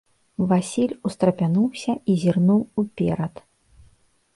Васіль устрапянуўся і зірнуў уперад.